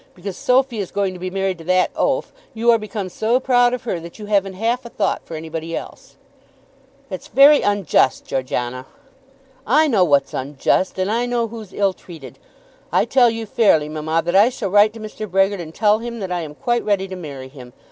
Because Sophy is going to be married to that oaf, you are become so proud of her that you haven't half a thought for anybody else." "That's very unjust, Georgiana." "I know what's unjust, and I know who's ill treated. I tell you fairly, mamma, that I shall write to Mr. Brehgert and tell him that I am quite ready to marry him.